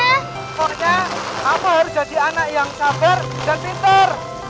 pokoknya kamu harus jadi anak yang sabar dan pinter